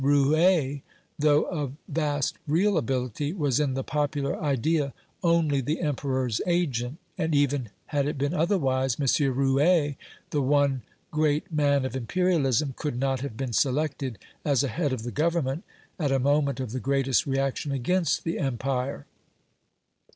Rouher, though of vast real ability, was in the popular idea only the Emperor's agent; and even had it been otherwise, M. Rouher, the one great man of Imperialism, could not have been selected as a head of the Government, at a moment of the greatest reaction against the Empire.